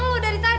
gue mau ke rumah